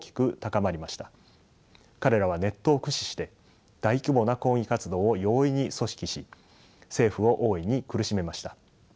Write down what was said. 彼らはネットを駆使して大規模な抗議活動を容易に組織し政府を大いに苦しめました。